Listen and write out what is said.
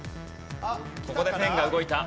ここでペンが動いた。